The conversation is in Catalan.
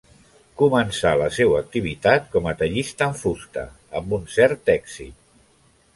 Començà la seua activitat com a tallista en fusta, amb un cert èxit.